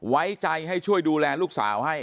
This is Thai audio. ไว้ใจให้ช่วยดูแลลูกสาวให้